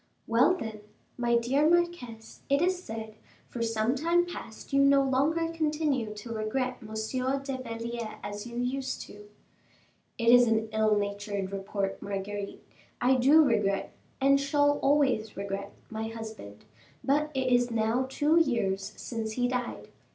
"Well, then, my dear marquise, it is said, for some time past, you no longer continue to regret Monsieur de Belliere as you used to." "It is an ill natured report, Marguerite. I do regret, and shall always regret, my husband; but it is now two years since he died.